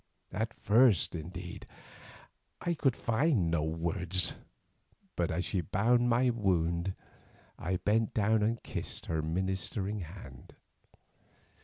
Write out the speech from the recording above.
At first, indeed, I could find no words, but as she bound my wound, I bent down and kissed her ministering hand.